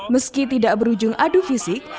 meski tidak berujung adu fisik